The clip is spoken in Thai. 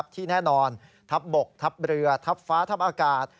ที่แน่นอนทัพบกทัพเรือทัพฟ้าทัพอากาศ